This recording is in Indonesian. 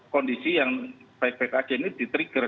kondisi yang baik baik aja ini di trigger